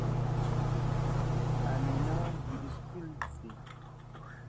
امینہ مھی سکول سی